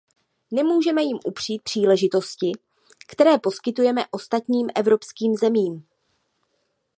Nemůžeme jim upřít příležitosti, které poskytujeme ostatním evropským zemím.